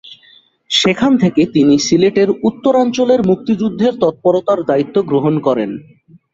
সেখান থেকে তিনি সিলেটের উত্তরাঞ্চলের মুক্তিযুদ্ধের তৎপরতার দায়িত্ব গ্রহণ করেন।